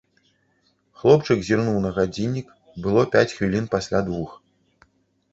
Хлопчык зірнуў на гадзіннік, было пяць хвілін пасля двух.